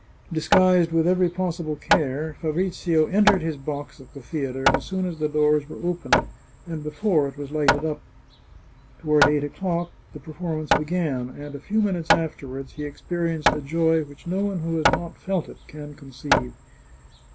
Disguised with every possible care, Fabrizio entered his box at the theatre as soon as the doors were opened, and before it was lighted up. Toward eight o'clock the perform ance began, and a few minutes afterward he experienced a joy which no one who has not felt it can conceive.